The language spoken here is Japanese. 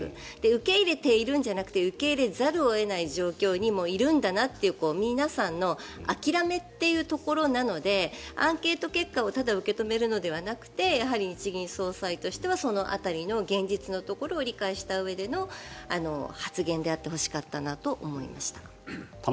受け入れているんじゃなくて受け入れざるを得ない状況にいるんだなという皆さんの諦めというところなのでアンケート結果をただ受け止めるのではなくて日銀総裁としては現実のところを理解したうえでの発言であってほしかったなと思いました。